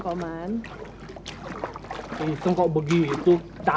kami tidak bisa epicdup dengan kalian